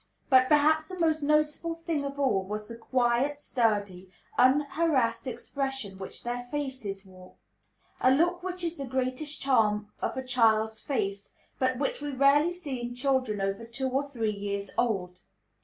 But perhaps the most noticeable thing of all was the quiet, sturdy, unharassed expression which their faces wore; a look which is the greatest charm of a child's face, but which we rarely see in children over two or three years old.